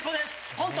コント